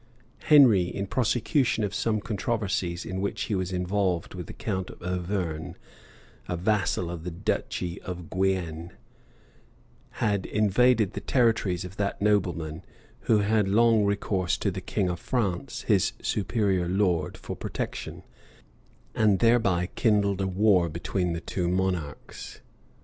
Henry, in prosecution of some controversies in which he was involved with the count of Auvergne, a vassal of the duchy of Guienne, bad invaded the territories of that nobleman; who had recourse to the king of France, his superior lord, for protection, and thereby kindled a war between the two monarchs.